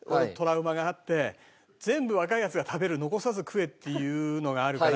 全部若いヤツが食べる残さず食えっていうのがあるから。